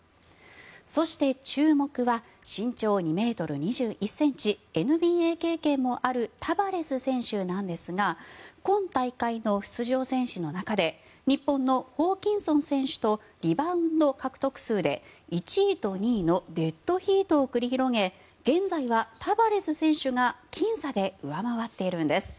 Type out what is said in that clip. そして、注目は身長２ｍ２１ｃｍＮＢＡ経験もあるタバレス選手なんですが今大会の出場選手の中で日本のホーキンソン選手とリバウンド獲得数で１位と２位のデッドヒートを繰り広げ現在はタバレス選手がきん差で上回っているんです。